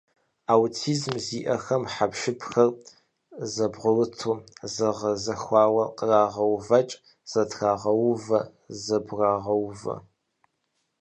Аутизм зиӀэхэм хьэпшыпхэр зэбгъурыту, зэгъэзэхуауэ кърагъэувэкӀ, зэтрагъэувэ, зэбгъурагъэувэ.